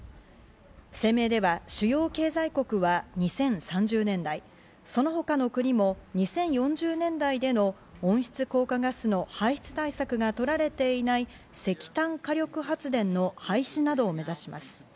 声明では主要経済国は２０３０年代、その他の国も２０４０年代での温室効果ガスの排出対策が取られていない石炭火力発電の廃止などを目指します。